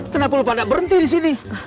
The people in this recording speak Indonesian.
kenapa lu pada berhenti disini